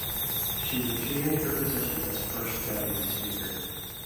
She retained her position as First Deputy Speaker.